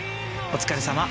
お疲れさま。